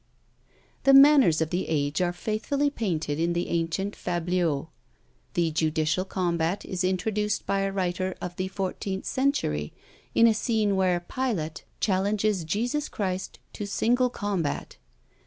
The manners of the age are faithfully painted in the ancient Fabliaux. The judicial combat is introduced by a writer of the fourteenth century, in a scene where Pilate challenges Jesus Christ to single combat.